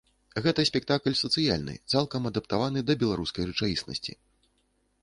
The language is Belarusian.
Гэта спектакль сацыяльны, цалкам адаптаваны да беларускай рэчаіснасці.